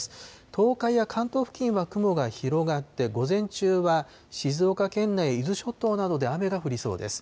東海や関東付近は雲が広がって、午前中は静岡県内、伊豆諸島などで雨が降りそうです。